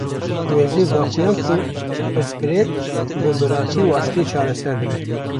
Wezîr, daxuyand ku pirsgirêk bi biratî û aştiyê çareser dibe